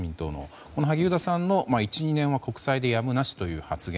この萩生田さんの１２年は国債でやむなしという発言。